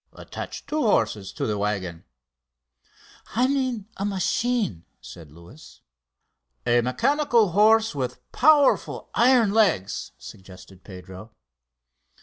"Attach two horses to the waggon." "I mean a machine," said Luis. "A mechanical horse with powerful iron legs!" suggested Pedro.